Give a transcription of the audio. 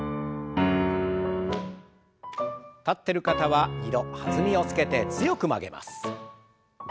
立ってる方は２度弾みをつけて強く曲げます。